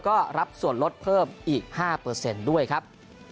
ก็รับส่วนลดเพิ่มอีก๕ด้วยครับ